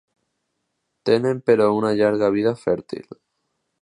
Tenen però una llarga vida fèrtil.